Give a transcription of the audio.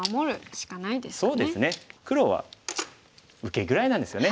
そうですね黒は受けぐらいなんですよね。